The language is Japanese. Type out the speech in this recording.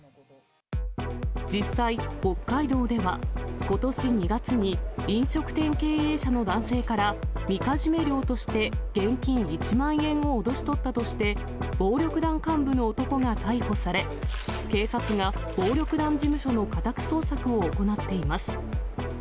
実際、北海道ではことし２月に飲食店経営者の男性からみかじめ料として現金１万円を脅し取ったとして、暴力団幹部の男が逮捕され、警察が暴力団事務所の家宅捜索を行っています。